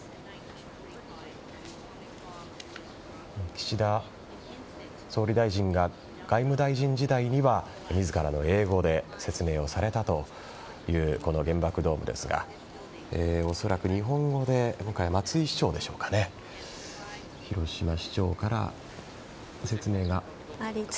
岸田総理大臣が外務大臣時代には自らの英語で説明をされたというこの原爆ドームですが恐らく、日本語で今回、松井市長でしょうかね広島市長からの説明でしょうか。